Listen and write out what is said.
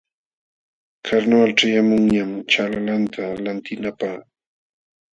Karnawal ćhayaqmunñam ćhanlalanta lantinapaq.